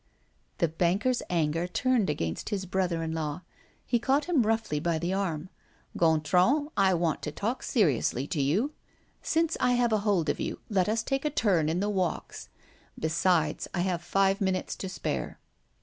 The banker's anger turned against his brother in law. He caught him roughly by the arm: "Gontran, I want to talk seriously to you. Since I have a hold of you, let us take a turn in the walks. Besides, I have five minutes to spare."